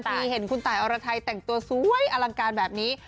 เห็นคุณตายอรไทยแต่งตัวสวยอลังการแบบนี้